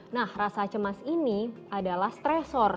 nah rasa cemas ini adalah stressor